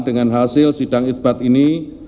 dengan hasil sidang isbat ini